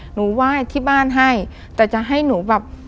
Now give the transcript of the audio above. หนูไหว้ที่บ้านให้แต่จะให้หนูแบบ